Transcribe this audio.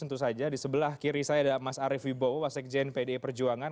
tentu saja di sebelah kiri saya ada mas arief wibowo mas ekejen pda perjuangan